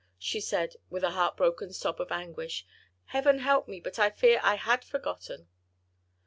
she said with a heart broken sob of anguish. "Heaven help me, but I fear I had forgotten."